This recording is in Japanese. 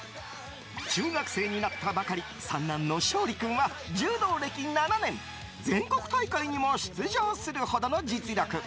中学生になったばかり三男の昇利君は柔道歴７年全国大会にも出場するほどの実力。